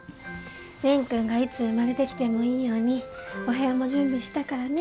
蓮くんがいつ生まれてきてもいいようにお部屋も準備したからね。